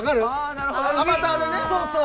アバターでね。